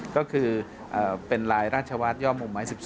ก็คือเป็นลายราชวัฒนย่อมุมไม้๑๒